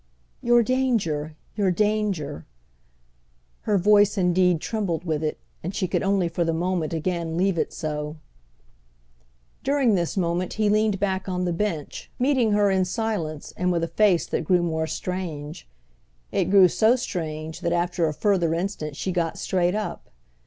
"Your danger, your danger—!" Her voice indeed trembled with it, and she could only for the moment again leave it so. During this moment he leaned back on the bench, meeting her in silence and with a face that grew more strange. It grew so strange that after a further instant she got straight up.